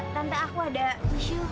tante aku ada isu